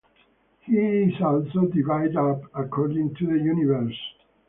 He is also divided up according to the universe.